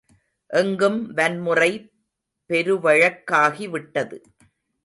எங்கும் வன்முறை பெருவழக்காகிவிட்டது.